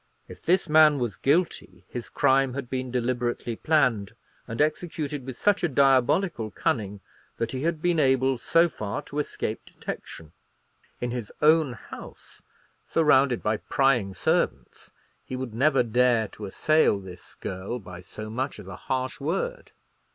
If this man was guilty, his crime had been deliberately planned, and executed with such a diabolical cunning, that he had been able so far to escape detection. In his own house, surrounded by prying servants, he would never dare to assail this girl by so much as a harsh word.